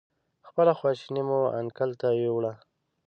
خپله خواشیني مو انکل ته ویوړه.